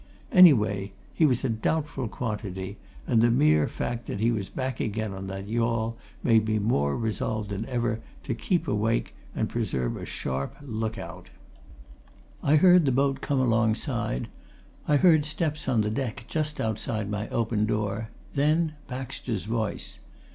Anyway, he was a doubtful quantity, and the mere fact that he was back again on that yawl made me more resolved than ever to keep awake and preserve a sharp look out. I heard the boat come alongside; I heard steps on the deck just outside my open door; then, Baxter's voice.